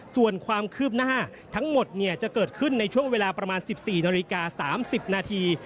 ส่วนความคืบหน้าทั้งหมดจะเกิดขึ้นในช่วงเวลาประมาณ๑๔นาฬิกา๓๐นาที